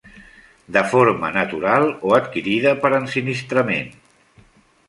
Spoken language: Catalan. De forma natural o adquirida per ensinistrament.